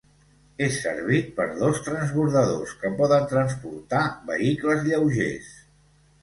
És servit per dos transbordadors, que poden transportar vehicles lleugers.